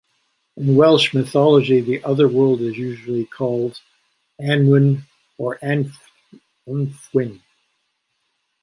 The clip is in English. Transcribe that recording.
In Welsh mythology, the Otherworld is usually called "Annwn" or "Annwfn".